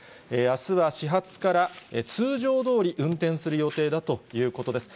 あすは始発から通常どおり運転する予定だということです。